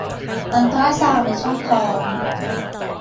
อัลตราซาวด์ในช่องท้อง